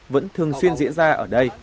vẫn thường xuyên diễn ra ở đây